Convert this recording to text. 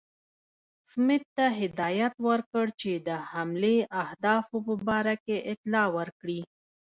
سمیت ته هدایت ورکړ چې د حملې اهدافو په باره کې اطلاع ورکړي.